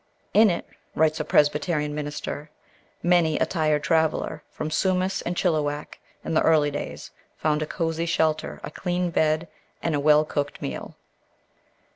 "In it," writes a Presbyterian minister, "many a tired traveller from Sumas and Chilliwack, in the early days, found a cosy shelter, a clean bed, and a well cooked meal."